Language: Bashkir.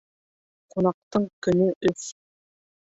Ҡунаҡтың көнө өс